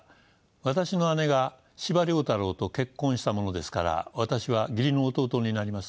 私の姉が司馬太郎と結婚したものですから私は義理の弟になります。